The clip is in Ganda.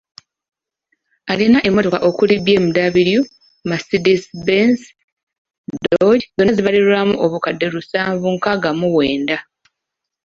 Alina emmotoka okuli; BMW, Mercedes Benz, Dodge, zonna zibalirirwamu obukadde lusanvu nkaaga mu wenda.